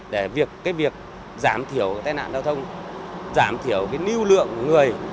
để giảm thiểu tai nạn giao thông giảm thiểu lưu lượng người